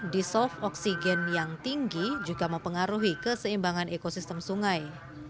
disolve oksigen yang tinggi juga mempengaruhi keseimbangan ekosistem sungai